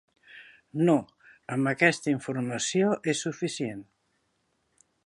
No, amb aquesta informació és suficient.